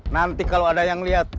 nanti kalau ada yang lihat